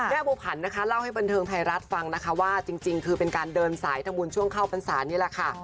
บัวผันนะคะเล่าให้บันเทิงไทยรัฐฟังนะคะว่าจริงคือเป็นการเดินสายทำบุญช่วงเข้าพรรษานี่แหละค่ะ